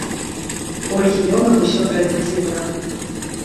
У рэгіёнах усё традыцыйна.